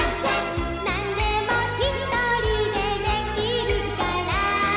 「何でもひとりでできるから」